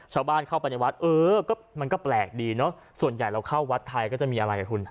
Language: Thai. ชาวบ้านเข้าไปในวัดเออก็มันก็แปลกดีเนอะส่วนใหญ่เราเข้าวัดไทยก็จะมีอะไรกับคุณ